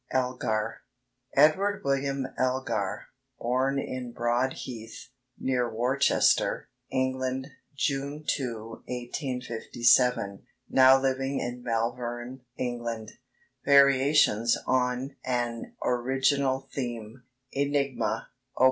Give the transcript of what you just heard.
ELGAR (Edward William Elgar: born in Broadheath, near Worcester, England, June 2, 1857; now living in Malvern, England.) VARIATIONS ON AN ORIGINAL THEME ("ENIGMA"): Op.